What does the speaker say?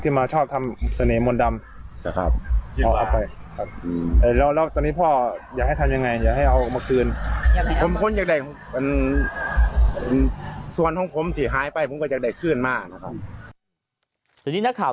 ผมควรอยากได้ส่วนของผมที่หายไปผมก็อยากได้ขึ้นมากนะครับ